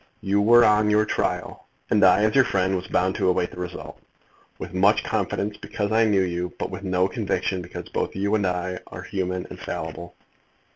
You were on your trial; and I as your friend was bound to await the result, with much confidence, because I knew you; but with no conviction, because both you and I are human and fallible.